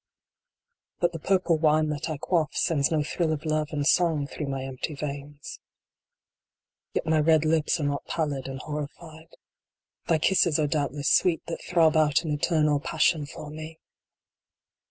But the purple wine that I quaff sends no thrill of Love and Song through my empty veins. Yet my red lips are not pallid and horrified. Thy kisses are doubtless sweet that throb out an eternal passion for me